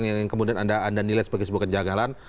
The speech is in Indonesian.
yang kemudian anda nilai sebagai sebuah kejagalan